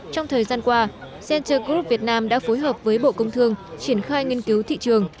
trong thời gian qua center group việt nam đã phối hợp với bộ công thương triển khai nghiên cứu thị trường